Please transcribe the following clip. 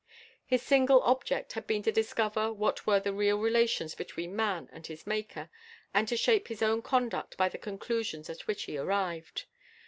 His single object had been to discover what were the real relations between man and his Maker, and to shape his own conduct by the conclusions at which he arrived.